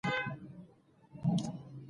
دوی به تر هغه وخته پورې د ساینس تجربې کوي.